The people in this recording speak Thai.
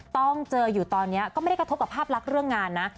ต้องเจออยู่ตอนนี้ก็ไม่ได้กระทบกับภาพลักษณ์เรื่องงานนะ